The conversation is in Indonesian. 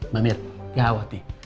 mbak mir gawat nih